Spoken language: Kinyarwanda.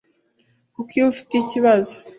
kuko iyo ufite ikibazo,